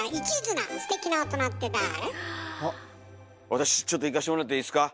私ちょっといかしてもらっていいですか？